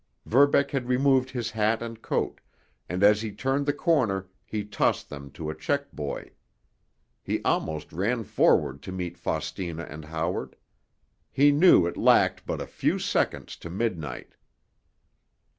Verbeck had removed his hat and coat, and as he turned the corner he tossed them to a check boy. He almost ran forward to meet Faustina and Howard. He knew it lacked but a few seconds to midnight.